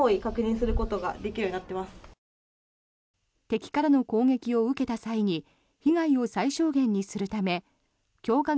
敵からの攻撃を受けた際に被害を最小限にするため強化